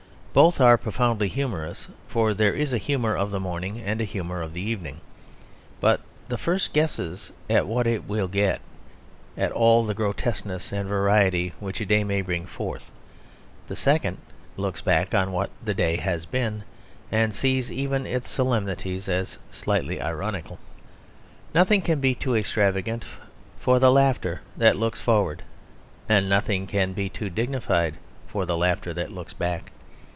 Both are profoundly humorous, for there is a humour of the morning and a humour of the evening; but the first guesses at what it will get, at all the grotesqueness and variety which a day may bring forth; the second looks back on what the day has been and sees even its solemnities as slightly ironical. Nothing can be too extravagant for the laughter that looks forward; and nothing can be too dignified for the laughter that looks back.